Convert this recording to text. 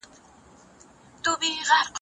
انټرنیټ د ملګرو ترمنځ اړیکې پیاوړې کوي.